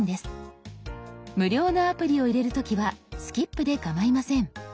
無料のアプリを入れる時は「スキップ」でかまいません。